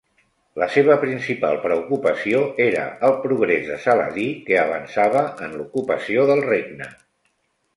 La seva principal preocupació era el progrés de Saladí que avançava en l'ocupació del regne.